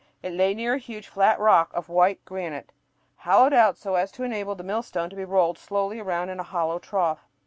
It lay near a huge, flat rock of white granite, hollowed out so as to enable the millstone to be rolled slowly around in a hollow trough.